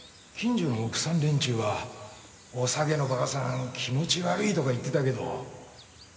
近所の奥さん連中は「おさげのばあさん気持ち悪い」とか言ってたけど。